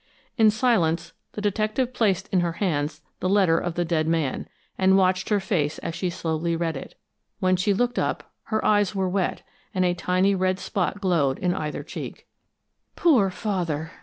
In silence, the detective placed in her hands the letter of the dead man, and watched her face as she slowly read it. When she looked up, her eyes were wet, and a tiny red spot glowed in either cheek. "Poor Father!"